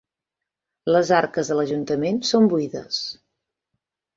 Les arques de l'ajuntament són buides.